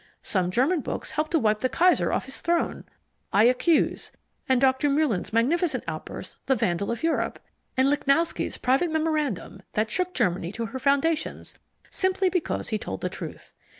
Some German books helped to wipe the Kaiser off his throne I Accuse, and Dr. Muehlon's magnificent outburst The Vandal of Europe, and Lichnowsky's private memorandum, that shook Germany to her foundations, simply because he told the truth.